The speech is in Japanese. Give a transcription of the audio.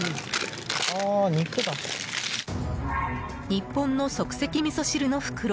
日本の即席みそ汁の袋。